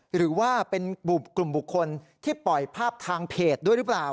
หรือว่าเป็นกลุ่มบุคคลที่ปล่อยภาพทางเพจด้วยหรือเปล่า